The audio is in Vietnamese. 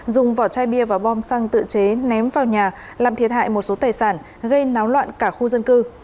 dùng vỏ chai bia và bom xăng tự chế ném vào nhà làm thiệt hại một số tài sản gây náo loạn cả khu dân cư